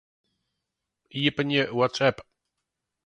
Iepenje WhatsApp.